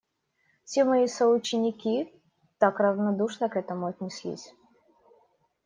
Все мои соученики так равнодушно к этому отнеслись.